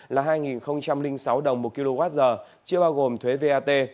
là hai sáu đồng một kwh chưa bao gồm thuế vat